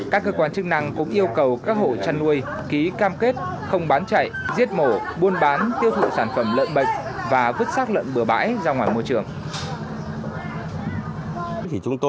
các cơ quan chức năng cũng yêu cầu các hộ chăn nuôi ký cam kết không bán chạy giết mổ buôn bán tiêu thụ sản phẩm lợn bệnh và vứt sát lợn bừa bãi ra ngoài môi trường